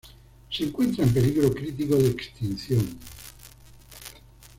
Se encuentra en peligro crítico de extinción.